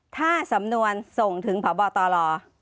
ถ้าสำนวนส่งถึงพบตร